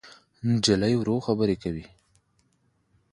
نجلۍ ورو خبرې کوي.